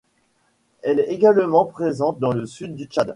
Elle est également présente dans le sud du Tchad.